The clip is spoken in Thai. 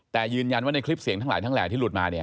แต่ยืนยันว่าในคลิปเสียงทั้งหลายทั้งแหล่ที่หลุดมาเนี่ย